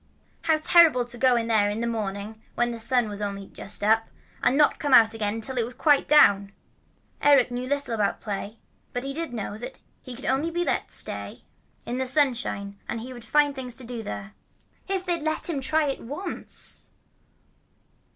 How terrible to go in there in the morning, when the sun was only just up, and not to come out again until it was quite down! Eric knew little about play, but he did know that if he could only be let stay out in the sunshine he would find things to do there. If they'd only let him try it once!